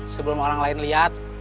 sebelum orang lain lihat